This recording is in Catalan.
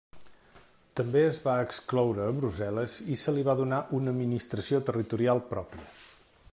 També es va excloure a Brussel·les i se li va donar una administració territorial pròpia.